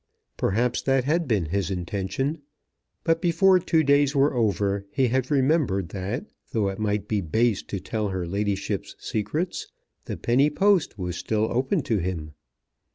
Perhaps that had been his intention; but before two days were over he had remembered that though it might be base to tell her ladyship's secrets, the penny post was still open to him.